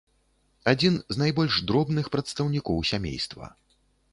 Адзін з найбольш дробных прадстаўнікоў сямейства.